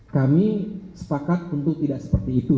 kami sepakat tentu tidak seperti itu